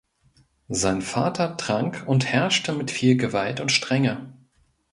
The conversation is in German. Sein Vater trank und herrschte mit viel Gewalt und Strenge.